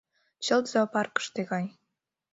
Чылт зоопаркыште гай.